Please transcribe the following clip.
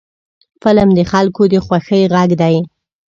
فلم د خلکو د خوښۍ غږ دی